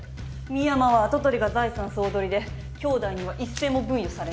深山は跡取りが財産総取りできょうだいには一銭も分与されない。